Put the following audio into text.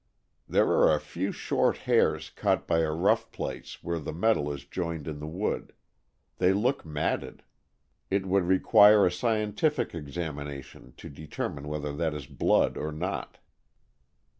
"There are a few short hairs caught by a rough place where the metal is joined to the wood. They look matted. It would require a scientific examination to determine whether that is blood or not."